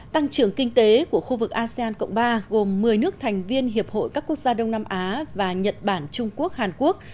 tăng trưởng kinh tế của khu vực asean cộng ba gồm một mươi nước thành viên hiệp hội các quốc gia đông nam á và nhật bản trung quốc hàn quốc